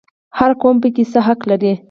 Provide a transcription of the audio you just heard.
هر قوم پکې څه حق لري؟